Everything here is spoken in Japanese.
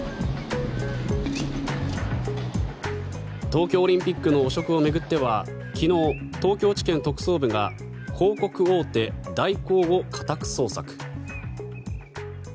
東京オリンピックの汚職を巡っては昨日、東京地検特捜部が広告大手、大広を家宅捜索。